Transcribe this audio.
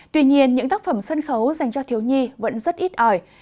tuy nhiên những tác phẩm sân khấu dành cho thiếu nhi vẫn rất ít ỏi